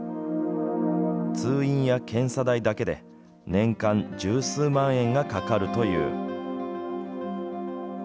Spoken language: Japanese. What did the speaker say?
通院や検査代だけで、年間十数万円がかかるという。